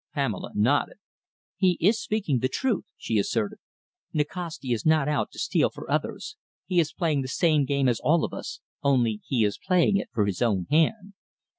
Pamela nodded. "He is speaking the truth," she asserted. "Nikasti is not out to steal for others. He is playing the same game as all of us, only he is playing it for his own hand.